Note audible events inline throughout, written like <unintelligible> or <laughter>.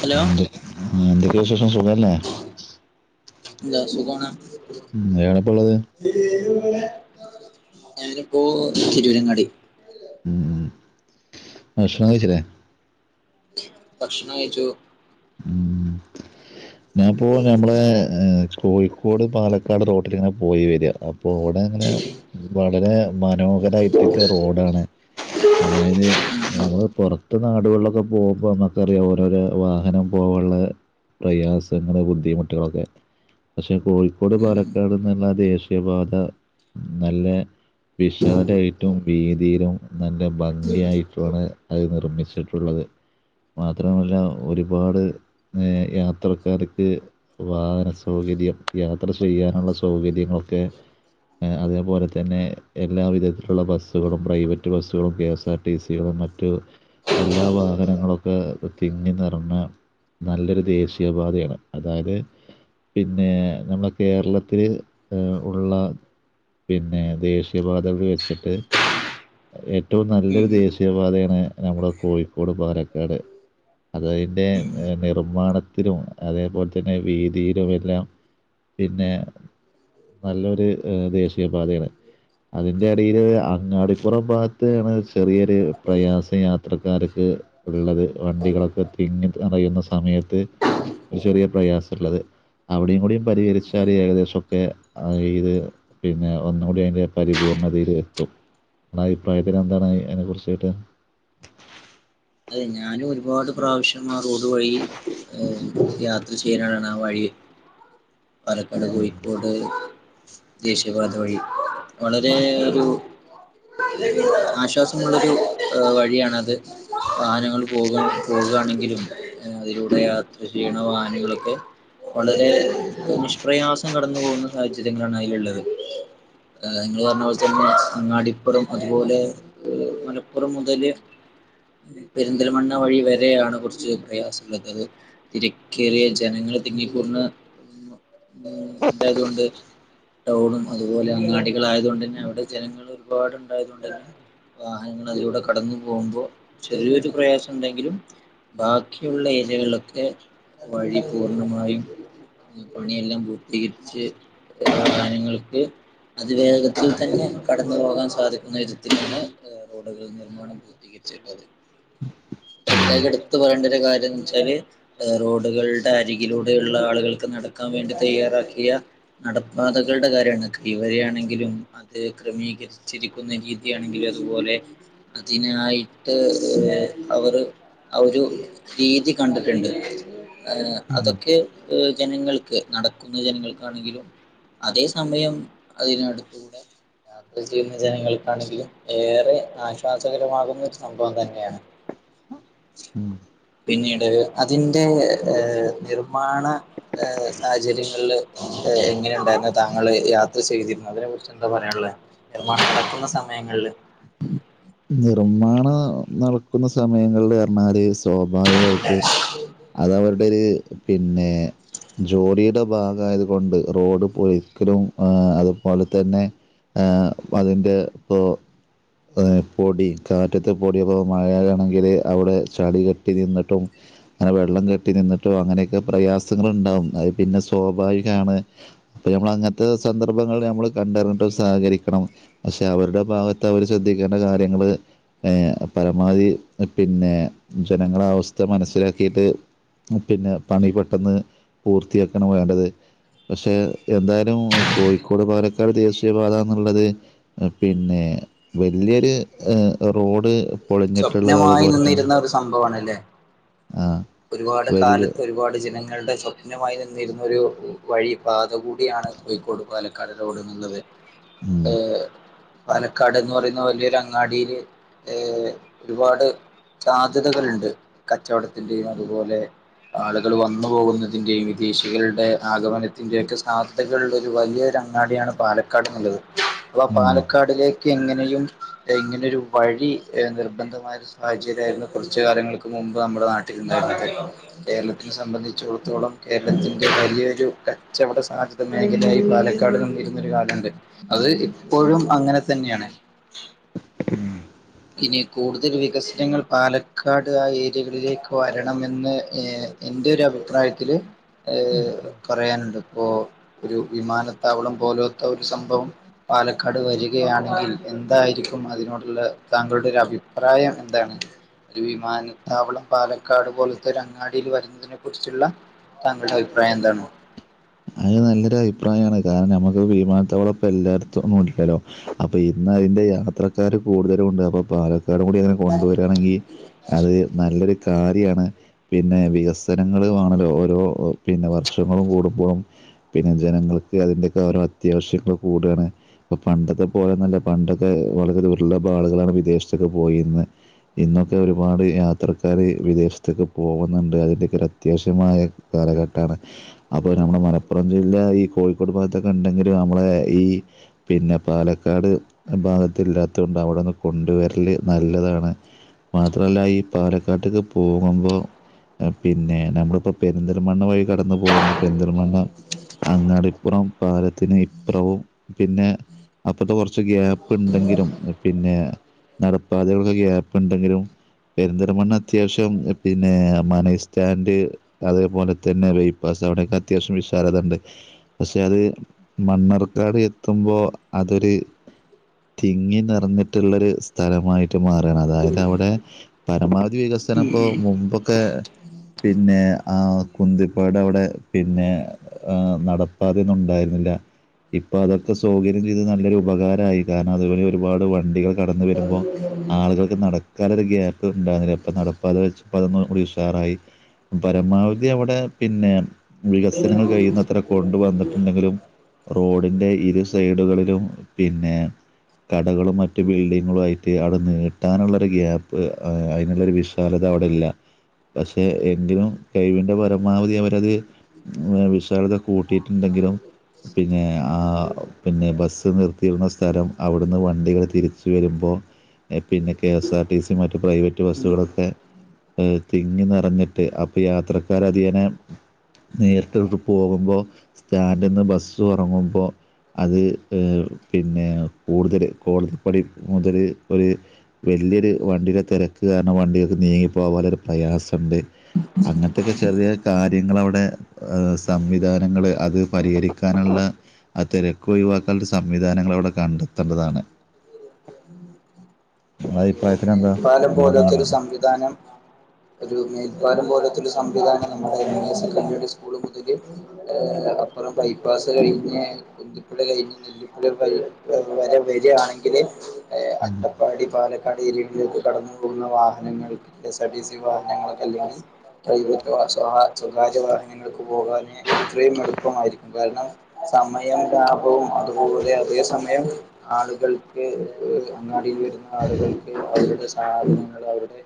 Hello എന്ത്- എന്തൊക്കെ വിശേഷം സുഖല്ലെ ന്താ സുഖണ് എവടെപ്പാ ഉള്ളത് ഞാനിപ്പോ തിരൂരങ്ങാടി ഭഷണം കഴിച്ചില്ലെ ഭക്ഷണം കഴിച്ചു ഞാപ്പോ ഞമ്മളെ കോഴിക്കോട് പാലക്കാട് റോട്ടിലിങ്ങനെ പോയി വരിക അപ്പോൾ ഇവിടെ ഇങ്ങനെ വളരെ മനോഹരായിട്ടുള്ള റോഡാണ് അതായത് നമ്മള് പൊറത്ത് നാടുകളിലൊക്കെ പോകുമ്പോ ക്കറിയാം ഓരോരോ വാഹനം പോവാനുള്ള പ്രയാസങ്ങൾ ബുദ്ധിമുട്ടുകളൊക്കെ പക്ഷേ കോഴിക്കോട് ഉം പാലക്കാട് എന്നള്ള ആ ദേശം പാത നല്ല വിശാലായിട്ടും വീതിയിലും നല്ല ഭംഗിയായിട്ടാണ് അത് നിർമ്മിച്ചിട്ടുള്ളത് മാത്രമല്ല ഒരു ഒരുപാട് യാത്രക്കാർക്ക് വാഹന സൗകര്യം യാത്ര ചെയ്യാനുള്ള സൗകര്യങ്ങളൊക്കെ അതേപോലെ തന്നെ എല്ലാ വിധത്തിലുള്ള ബസ്സുകളും പ്രൈവറ്റ് ബസ്സുകളും കെ എസ് ആർ ടി സികളും മറ്റ് മറ്റ് എല്ലാ വാഹനങ്ങളൊക്കെ തിങ്ങി നേറഞ്ഞിട്ടുള്ളെ ന്നാ നല്ലൊരു ദേശീയപാതയാണ് അതായത് പിന്നെ നമ്മുടെ കേരളത്തിൽ ഉള്ള പിന്നെ ദേശീയപാത അവിടെ വെച്ചിട്ട് ഏറ്റവും നല്ലൊരു ഉം ദേശീയപാതയാണ് നമ്മുടെ കോഴിക്കോട് പാലക്കാട് അതതിൻ്റെ ഉം നിർമ്മാണത്തിലും അതേപോലെ തന്നെ വീതിയിലുമെല്ലാം പിന്നെ നല്ലൊരു ദേശീയപാതയാണ് അതിന്റെ എടേല് അങ്ങാടിപ്പുറം ഭാഗത്താണ് ചെറിയൊരു പ്രയാസം യാത്രക്കാർക്ക് ഉള്ളത് വണ്ടികളൊക്കെ തിങ്ങി നിറയുന്ന സമയത്ത് ഒരു ചെറിയ പ്രയാസമുള്ളത് അവിടെയും കൂടിയും പരിഹരിച്ചാൽ ഉം ഏകദേശമൊക്കെ ഇത് പിന്നെ ഒന്നുകൂടി അതിൻ്റെ പരിപൂർണ്ണതയിൽ എത്തും ആ അഭിപ്രായത്തിന ന്താണ് അതിനെക്കുറിച്ചിട്ട് അതെ ഞാനും ഒരുപാട് പ്രാവശ്യം ആ റോഡ് വഴി ഏഹ് യാത്ര ചെയ്യാന ആ വഴി പാലക്കാട് കോഴിക്കോട് ദേശീയപാത വഴി വളരെ ഒരു- ആശ്വാസമുള്ളൊരു വഴിയാണത് വാഹനങ്ങൾ പോക പോകയാണെങ്കിലും അതിലൂടെ യാത്ര ചെയ്യണ വാഹനങ്ങളൊക്കെ. വളരെ നിഷ്പ്രയാസം കടന്നു പോകുന്ന സാഹചര്യങ്ങളാണ് അതിലുള്ളത് നിങ്ങൾ പറഞ്ഞ പോലെ തന്നെ അങ്ങാടിപ്പുറം അതുപോലെ മലപ്പുറം മുതല് പെരിന്തൽമണ്ണ വഴി വരെയാണ് കുറച്ച് പ്രയാസമുള്ളത് തിരക്കേറിയ ജനങ്ങൾ തിങ്ങികുടുന്നത് ന്തായതുകൊണ്ട് ടൗണും അതുപോലെ അങ്ങാടികൾ ആയതുകൊണ്ട് തന്നെ അവിടെ ജനങ്ങൾ ഒരുപാട്ണ്ടായത് കൊണ്ട് തന്നെ വാഹനങ്ങൾ അതിലൂടെ കടന്നു പോകുമ്പോ ചെറിയൊരു പ്രയാസം ഉണ്ടെങ്കിലും ബാക്കിയുള്ള ഏരിയകളൊക്കെ വഴി പൂർണമായും പണിയെല്ലാം പൂർത്തീകരിച്ച് സാധാനങ്ങൾക്ക് അതി വേഗത്തിൽ തന്നെ കടന്ന് പോകാൻ സാധിക്കുന്ന വിധത്തിലാണ് റോഡുകൾ നിർമ്മാണം തികച്ചിട്ടത് <inaudible> പ്രതേക മായി എടുത്ത് പറയേണ്ട ഒരു കാര്യന്ന് വെച്ചാല് റോഡുകളുടെ അരികിലൂടെയുള്ള ആളുകൾ നടക്കാൻ വേണ്ടി തയ്യാറാക്കിയ നടപ്പാതകളുടെ കാര്യമാണ് കൈവരി ആണെങ്കിലും അത് ക്രമീകരിച്ചിരിക്കുന്ന രീതിയാണെങ്കിൽ അതുപോലെ അതിനായിട്ട് ഏഹ് അവർ ആഹ് ഒരു രീതി കണ്ടിട്ടുണ്ട് ഏഹ് അതൊക്കെ ജനങ്ങൾക്ക് നടക്കുന്ന ജനങ്ങൾക്കാണെങ്കിലും അതേ സമയം അതിനടുത്ത് കൂടെ ചെയ്യുന്ന ജനങ്ങൾക്കാണെങ്കിലും ഏറെ ആശ്വാസകരമാകുന്ന ഒരു സംഭവം തന്നെയാണ് <inaudible> പിന്നീട് അതിന്റെ ഏഹ് നിർമാണ സാഹചര്യങ്ങളില് എങ്ങനെ ഉണ്ടായിരുന്നു താങ്കള് യാത്ര ചെയ്തിരുന്നു അതിനെ കുറിച്ച് എന്താ പറയാനുള്ള നിർമ്മാണം നടക്കുന്ന സമയങ്ങളിൽ നിർമ്മാണം നടക്കുന്ന സമയങ്ങളിൽ പറഞ്ഞാല് സ്വാഭാവികമായിട്ട് അത് അവരുടെ ഒരു പിന്നെ ജോലിയുടെ ഭാഗയത് കൊണ്ട് റോഡ് പൊളിക്കലും ആഹ് അതുപോലെ തന്നെ ആഹ് അതിന്റെ ഇപ്പൊ പൊടി കാറ്റത്ത് പൊടിയപ്പോൾ മഴാണെങ്കിൽ അവിടെ ചളികെട്ടി നിന്നിട്ടും അങ്ങനെ വെള്ളം കെട്ടി നിന്നിട്ടോ അങ്ങനെയൊക്കെ പ്രയാസങ്ങൾ ഉണ്ടാവും അത് പിന്നെ സ്വാഭാവികമാണ് അപ്പൊ നമ്മൾ അങ്ങനത്തെ സന്ദർഭങ്ങൾ നമ്മൾ കണ്ടറിഞ്ഞിട്ട് സഹകരിക്കണം പക്ഷെ അവരുടെ ഭാഗത്ത് അവര് ശ്രദ്ധിക്കേണ്ട കാര്യങ്ങള് ഏഹ് പരമാവധി പിന്നെ ജനങ്ങള അവസ്ഥ മനസ്സിലാക്കിയിട്ട് പിന്നെ പണി പെട്ടെന്ന് പൂർത്തിയാക്കണ് വേണ്ടത് പക്ഷെ എന്തായാലും കോഴിക്കോട് പാലക്കാട് ദേശീയപാതന്നുള്ളത് പിന്നെ വല്യൊരു റോഡ് പൊളിഞ്ഞിട്ടുള്ളത് സ്വപ്നമായി അതുപോലെ തന്നെ നിന്നിരുന്ന ഒരു സംഭവമാണല്ലേ ആഹ് ഒരുപാട് കാലത്ത് ഒരുപാട് ജനങ്ങ ജനങ്ങളുടെ സ്വപ്നമായി നിന്നിരുന്നൊരു വഴി പാത കൂടിയാണ് കോഴിക്കോട് പാലക്കാട് റോഡ് എന്നുള്ളത് ഉം, ഏഹ് പാലക്കാട് എന്ന് പറയുന്ന വലിയൊരു അങ്ങാടിയില് ഏഹ് ഒരുപാട് സാധ്യതകളുണ്ട് കച്ചവടത്തിന്റെയും അതുപോലെ ആളുകൾ വന്നു പോകുന്നതിന്റെയും വിദേശികളുടെ ആഗമനത്തിന്റെ ഒക്കെ സാ കളുള്ളൊരു വലിയൊരു അങ്ങാടിയാണ് പാലക്കാട് എന്നുള്ളത് അപ്പൊ ഉം. പാലക്കാടിലെ ക്ക്‌ എങ്ങനെയുംഏഹ് ഇങ്ങനെയൊരു വഴി നിർബന്ധമായ സാഹചര്യായിരുന്നു കുറച്ചു കാലങ്ങൾക്ക് മുമ്പ് നമ്മുടെ നാട്ടിലുണ്ടായിരുന്നത് കേരളത്തിനെ സംബന്ധിച്ചോട്ത്തോളം കേരളത്തിന്റെ വലിയൊരു കച്ചവട സാധ്യ മേഖലയായി പാലക്കാട് നിന്നിരുന്നൊരു കാലണ്ട് അത് ഇപ്പോഴും അങ്ങനെ തന്നെയാണ് <inaudible> ഇനി കൂടുതൽ വികസനങ്ങൾ പാലക്കാട് ആഹ് ഏരിയകളിലേക്ക് വരണമെന്ന് ഏഹ് എന്റെയൊരു അഭിപ്രായത്തില് ഏഹ് പറയാനുള്ളത് ഇപ്പോ ഒരു വിമാനത്താവളം പോലോത്ത ഒരു സംഭവം പാലക്കാട് വരികയാണെങ്കിൽ എന്തായിരിക്കും അതിനോടുള്ള താങ്കളുടെ ഒരു അഭിപ്രായം എന്താണ് ഒരു വിമാനത്താവളം പാലക്കാട് പോലോത്തൊരു അങ്ങാടിയിൽ വരുന്നതിനെ കുറിച്ചുള്ള താങ്കളുടെ അഭിപ്രായം എന്താണ് അയിന് നല്ലൊരു അഭിപ്രായാണ് കാരണം നമുക്ക് വിമാനത്താവളപ്പൊ എല്ലായിടത്തൊന്നും ഇല്ലല്ലോ അപ്പ ഇന്നയിന്റെ യാത്രക്കാര് കൂടുതലുണ്ട് അപ്പൊ പാലക്കാടും കൂടി അങ്ങനെ കൊണ്ടുവരാണെങ്കി. അത് നല്ലൊരു കാര്യാണ്. പിന്നെ വികസനങ്ങള് വേണലോ ഓരോ പിന്നെ വർഷങ്ങള് കൂടുമ്പോഴും. പിന്നെ ജനങ്ങൾക്ക് അതിൻന്റെക്കോരോ അത്യാവശ്യങ്ങൾ കൂട്വാണ്. പ്പ പണ്ടത്തെ പോലൊന്നല്ല പണ്ടൊക്കെ വളരെ ദുർലഭം ആളുകളാണ് വിദേശത്തൊക്കെ പോയിര്ന്ന. ഇന്നൊക്കെ ഒരുപാട് യാത്രക്കാര് വിദേശത്തൊക്കെ പോകുന്നുണ്ട് അതിന്റെക്കൊരു. ത്യാവശ്യമായ കാലഘട്ടാണ് അപ്പൊ നമ്മളെ മല പ്പുറം ജില്ല ഈ കോഴിക്കോട് ഭാഗത്തൊക്കെ ണ്ടെങ്കില് മ്മളെ ഈ. പിന്നെ പാലക്കാട് അ ഭാഗത്തില്ലാത്തോണ്ട് അവിടൊന്ന് കൊണ്ട് വരല് നല്ലതാണ്. മാത്രല്ല ഈ പാലക്കാട്ട്ക്ക് പോകുമ്പോ. അ പിന്നെ നമ്മളിപ്പ പെരിന്തൽമണ്ണ വഴി കടന്നു പോകുമ്പൊ പെരിന്തൽമണ്ണ. അങ്ങാടിപ്പുറം പാലത്തിന് ഇപ്പറവും പിന്നെ. അപ്പർത്ത് കൊർച്ച് ഗ്യാപ്പ്ണ്ടെങ്കിലും പിന്നെ. നടപ്പാതകൾക്ക്‌ ഗ്യാപ്പ്ണ്ടെങ്കിലും. പെരിന്തൽമണ്ണ അത്യാവശ്യം പിന്നെ മനൈ സ്റ്റാൻഡ്. അതേപോലെ തന്നെ ബൈപ്പാസ് അവിടെക്കെ അത്യാവശ്യം വിഷ ശാലതണ്ട് പക്ഷെ അത് മണ്ണാർക്കാട് എത്തുമ്പോ അതൊര്. തിങ്ങി നെർഞ്ഞിട്ടുള്ളൊരു സ്ഥലമായിട്ട് മാ റണ് അതായത് അവടെ പരമാവധി വികസനപ്പോ മുമ്പൊക്കെ. പിന്നെ ആ കുന്തിപ്പൊഴടെ അവടെ പിന്നെ. ആ നടപ്പാതെന്നും ഉണ്ടായിരുന്നില്ല. ഇപ്പൊ അതൊക്കെ സൗകര്യം ചെയ്ത് നല്ലൊരു ഉപകാരായി കാരണം അതുവഴി ഒരുപാട് വണ്ടികൾ. കടന്നുവരുമ്പോ ആളുകൾ. ക്ക്‌ നടക്കാലൊരു ഗ്യാപ്പ് ഉണ്ടായിരുന്നില ഇപ്പൊ നടപ്പാത വെച്ചപ്പോ അതൊന്ന് ടി ഉഷാറായി. പരമാവധി അവടെ പിന്നെ. ത്ര കൊണ്ടു വന്നിട്ടുണ്ടെങ്കിലും റോഡിന്റെ ഇരു സൈഡുകളിലും പിന്നെ. കടകളും മറ്റ് ബിൽഡിങ്ങളു ആയിറ്റ് അവിടെ നീട്ടാനുള്ളരു ഗ്യാപ്പ് ആ അയ്നുള്ളൊരു വിഷ ശാലത അവിടെല്ല പക്ഷേ എങ്കിലും കഴിവിൻ്റെ പരമാവധി അവരത്. ഏ വിശാലത കൂട്ടിയിട്ട്ണ്ടെങ്കിലും. പിന്നെ ആ പിന്നെ ബസ്സ് നിർത്തിയിടുന്ന സ്ഥലം അവിടുന്ന് വണ്ടികള് തിരിച്ചു വരുമ്പോ. എ പിന്നെ K S R T C മറ്റ് പ്രൈവറ്റ് ബസ്സുകളൊക്കെ. ഏ തിങ്ങി നെറഞ്ഞിട്ട് അപ്പ യാത്രക്കാരധിയെനെ. നേരിട്ടൊഴുകു പോകുമ്പോ സ്റ്റാൻഡ്ന്ന് ബസ്സു ഇറങ്ങുമ്പോ. അത് അ് പിന്നെ കൂടുതല് കോണി പടി മുതല് ഒര്. വല്ല്യര് വണ്ടിടെ തെരക്ക് കാരണം വണ്ടികക്ക് നീങ്ങി പോകാനൊരു പ്രയാസണ്ട്. അങ്ങൻത്തെക്കെ ചെറിയ ചെറ്യേ കാര്യങ്ങളവിടെ. ആ സംവിധാനങ്ങള് അത് പരിഹരിക്കാനുള്ള. ആ തെരക്ക് ഒഴിവാക്കാനുള്ള സംവിധാനങ്ങളവിടെ കണ്ടത്തണ്ടതാണ്. രു മേൽപ്പാലം പോലോത്തരു നാടാണ് സംവിധാനം ഒരു മേൽപ്പാലം പോലോത്തരു സംവിധാനം നമ്മുടെ <unintelligible> നേശൻ കമ്യൂണിസ് സ്കൂള് മുതല്. ഏഹ് അപ്പുറം ബൈപ്പാസ് കഴിഞ്ഞ്. ന്തിപ്പുഴ കഴിഞ്ഞ് നെല്ലിപ്പുഴ കൽ വ വരെ വര്യാണെങ്കില് ഏ അട്ടപ്പാടി പാല ക്കാട് ഏരിയക്ക് കടന്നു പോകുന്ന വാഹനങ്ങൾ K S R T C വാഹനങ്ങൾക്ക്ല്ലാ <unintelligible> സ്വകാര്യ വാഹനങ്ങൾക്ക് പോകാന് ഇത്രയും എളുപ്പമായിരിക്കും കാരണം. സമയം ലാഭവും അതുപോലെ അധിക സമയം. ആളുകൾക്ക് അ് അങ്ങാടിൽ വരുന്ന ആളുകൾക്ക് അവരുടെ സാധനങ്ങൾ അവരുടെ.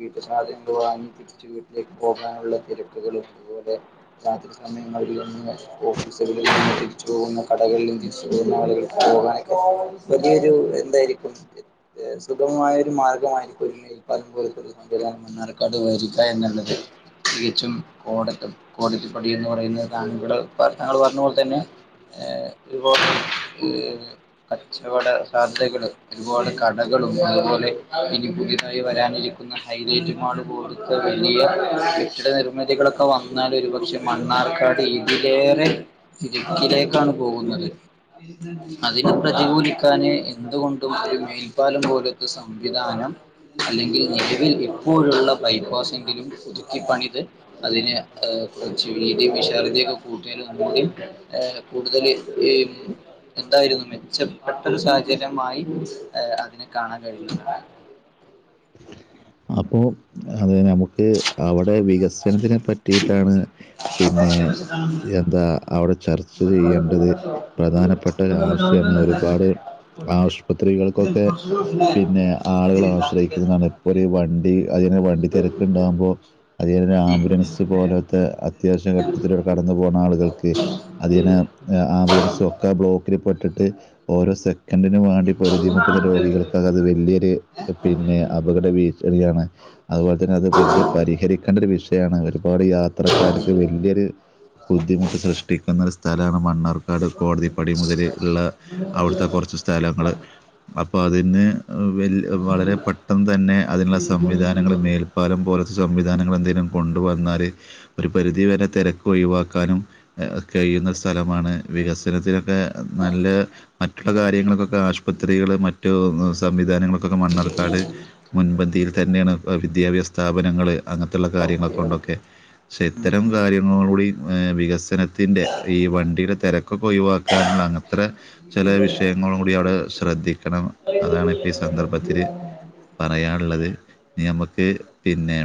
വീട്ടുസാധനങ്ങൾ വാങ്ങി തിരിച്ച് വീട്ടിലേക്ക് പോകാനുള്ള തിരക്കുകളും അതുപോലെ. രാത്രി സമയങ്ങളിൽ. <unintelligible> ഓഫീസുകളിൽ നിന്ന് തിരിച്ചു പോകുന്ന കടകളിലും തിരിച്ചു പോകുന്ന ആളുകൾക്ക് പോകാനൊക്കെ. വലിയൊരു എന്തായിരിക്കും. <inaudible> സുഖമായ ഒരു മാർഗമായിരിക്കും ഒരു മേൽപ്പാലം പോലത്തൊരു സംവിധാനം മണ്ണാർക്കാട് വരിക എന്നുള്ളത് തികച്ചും കോടത്ത് കോടതിപ്പടി എന്ന് പറയുന്നത് താങ്കൾട താങ്കൾ പറഞ്ഞ പോലെ തന്നെ ഏഹ് ഒരുപാട് ഈ കച്ചവട സാധ്യകൾ ഒരുപാട് കട കളും അതുപോലെ ഇനി പുതിയതായി വരാനിരിക്കുന്ന ഹൈലൈറ്റുമാള് പോലെത്തെ വലിയ ഇവിടെ നിർമ്മിതികളൊക്കെ വന്നാലും ഒരുപക്ഷെ മണ്ണാർക്കാട് ഇതിലേറെ ഇടുക്കിലേക്കാണ് പോകുന്നത് അതിനെ പ്രതികൂലിക്കാന് എന്തുകൊണ്ടും ഒരു മേൽ മേൽപ്പാലം പോലത്തെ സംവിധാനം അല്ലെങ്കിൽ നിലവിൽ ഇപ്പോഴുള്ള ബൈപ്പാസ് എങ്കിലും പുതുക്കിപ്പണിത് അതിനെ കുറച്ച് വീതി വിശാലതയുമൊക്കെ കൂട്ടിയാൽ നമ്മടി ഏഹ് കൂടുതല് എന്തായിരുന്നു മെച്ചപ്പെട്ടൊരു സാഹചര്യമായി ഏഹ് അതിനെ കാണാൻ കഴിയുന്നതാണ് അപ്പോൾ അത് തന്നെ നമുക്ക് അവിടെ വികസനത്തിനെ പറ്റിയിട്ടാണ് പിന്നെ എന്താ അവിടെ ചർച്ച ചെയ്യേണ്ടത് പ്രധാനപ്പെട്ട ഒരു ആവശ്യമാണ് ഒരുപാട് ആശുപത്രികൾക്കൊക്കെ പിന്നെ ആളുകൾ ആശ്രയിക്കുന്ന ഒരു വണ്ടി അതി വണ്ടി തിരക്ക് ഉണ്ടാകുമ്പോ അതിന് ഉം ആംബുലൻസ് പോലെ ത്തെ അത്യാവശ്യ ഘട്ടത്തിലൂടെ കടന്നു പോകുന്ന ആളുകൾക്ക് അതിനാ ആംബുലൻസും ഒക്കെ ബ്ലോക്കിൽ പെട്ടിട്ട് ഓരോ സെക് എത്തിന് വേണ്ടി പൊരുതി മുട്ടുന്ന രോഗികൾക്ക് അത് വലിയൊരു പിന്നെ ഒരു ഭീഷണിയാണ് അതുപോലെ തന്നെ അത് വലിയ പരിഹരിക്കേണ്ട ഒരു വി ഷയാണ് ഒരുപാട് യാത്രക്കാർക്ക് വലിയൊരു ബുദ്ധിമുട്ട് സൃഷ്ടിക്കുന്ന ഒരു സ്ഥലമാണ് മണ്ണാർ ക്കാട് കോടതിപ്പടി മുതല് ഉള്ള അവിടുത്തെ കുറച്ച് സ്ഥലങ്ങൾ അപ്പൊ അതിന് വ വളരെ പെട്ടെന്ന് തന്നെ അതിനുള്ള സംവിധാനങ്ങൾ മേൽ പാലം പോലത്തെ സംവിധാനങ്ങൾ എന്തെങ്കിലും കൊണ്ട് വന്നാല് ഒരു പരിധി വരെ തിരക്ക് ഒഴിവാക്കാനും കഴിയുന്ന സ്ഥലമാണ്. വികസനത്തിനൊക്കെ നല്ല- മറ്റുള്ള കാര്യങ്ങളൊക്കെ ആശുപത്രികള് മറ്റു സംവിധാനങ്ങളൊക്കെ മണ്ണാർക്കാട്- മുൻപന്തിയിൽ തന്നെയാണ് അപ്പോ വിദ്യാഭ്യാസ- സ്ഥാപനങ്ങൾ അങ്ങനത്തുള്ള ഓക്കെ ഓക്കെ കാര്യങ്ങളൊക്ക കൊണ്ടൊക്കെ പക്ഷേ ഉം ഇത്തരം ഉം ഉം കാര്യങ്ങള് കൂടി. വികസനത്തിന്റെ ഈ വണ്ടിയുടെ തിരക്കൊക്കെ ഒഴിവാക്കാനുള്ള അങ്ങത്തെ- ചില വിഷയങ്ങളും കൂടി അവിടെ ശ്രദ്ധിക്കണം അതാണ് ഇപ്പൊ ഈ സന്ദർഭത്തില് പറയാനുള്ളത് നമുക്ക് പിന്നെ-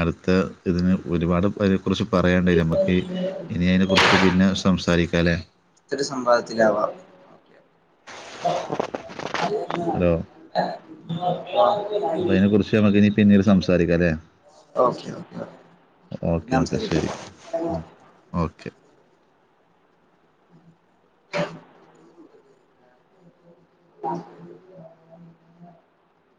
അടുത്ത ഇതിന് ഒരുപാട് അതിനെ കുറിച്ച് പറയാൻ ഇണ്ടായി- നമുക്ക് ഇനി അതിനെ കുറിച്ച് പിന്നെ സംസാരിക്കാം അല്ലേ. ഇതൊരു സംവാദത്തിലാവാം- ഹലോ <inaudible> പക്ഷേ മക്ക് ഇനി പിന്നീട് സംസാരിക്കല്ലേ. ഓക്കെ ഓക്കെ ഓക്കേ പിന്നെ ഓക്കേ സംസാരിക്കാം ശരി ഓക്കേ <inaudible> <inaudible>